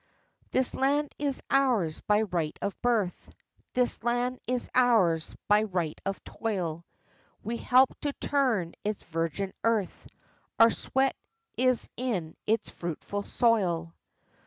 This land is ours by right of birth, This land is ours by right of toil; We helped to turn its virgin earth, Our sweat is in its fruitful soil.